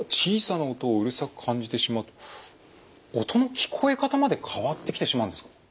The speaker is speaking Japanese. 音の聞こえ方まで変わってきてしまうんですね。